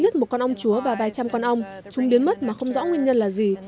ít nhất một con ong chúa và vài trăm con ong chúng biến mất mà không rõ nguyên nhân là gì